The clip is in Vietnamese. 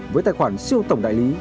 với tài khoản siêu tổng đại lý